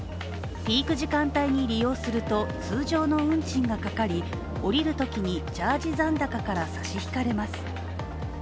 ピーク時間帯に利用すると通常の運賃がかかり、降りるときにチャージ残高から差し引かれます